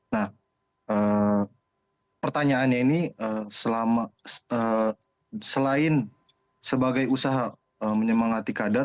nah pertanyaannya ini selain sebagai usaha menyemangati kader